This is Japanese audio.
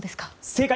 正解！